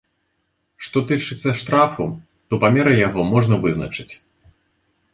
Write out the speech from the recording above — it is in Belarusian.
Што тычыцца штрафу, то памеры яго можна вызначыць.